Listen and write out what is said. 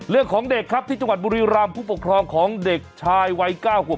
เรื่องของเด็กครับที่จังหวัดบุรีรำผู้ปกครองของเด็กชายวัย๙ขวบ